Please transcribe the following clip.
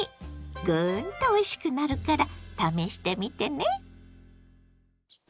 グーンとおいしくなるから試してみてね。